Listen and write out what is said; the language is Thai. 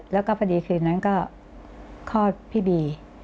แล้วก็พอดีคืนนั้นก็คลอดพี่บี